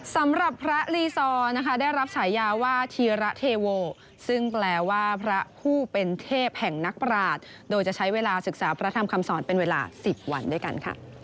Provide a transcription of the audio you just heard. สำหรับพระลีซอร์นะคะได้รับฉายาว่าธีระเทโวซึ่งแปลว่าพระคู่เป็นเทพแห่งนักปราศโดยจะใช้เวลาศึกษาพระธรรมคำสอนเป็นเวลา๑๐วันด้วยกันค่ะ